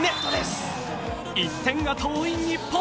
１点が遠い日本。